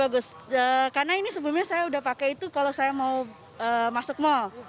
lebih bagus karena ini sebelumnya saya sudah pakai itu kalau saya mau masuk mall